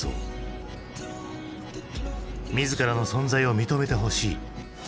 自らの存在を認めてほしい。